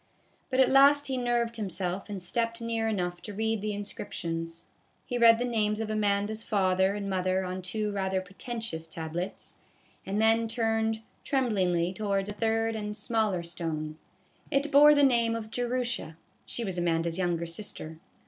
But at last he nerved him self and stepped near enough to read the inscrip tions. He read the names of Amanda's father and mother on two rather pretentious tablets, and then turned tremblingly towards a third and smaller A BAG OF POP CORN, stone. It bore the name of Jerusha: she was Amanda's younger sister.